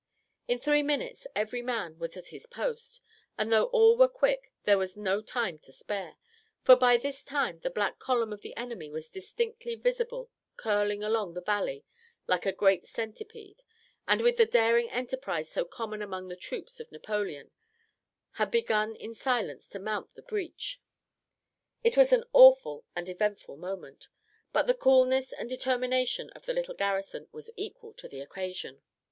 In three minutes every man was at his post; and though all were quick, there was no time to spare, for by this time the black column of the enemy was distinctly visible curling along the valley like a great centipede; and, with the daring enterprise so common among the troops of Napoleon, had begun in silence to mount the breach. It was an awful and eventful moment; but the coolness and determination of the little garrison was equal to the occasion.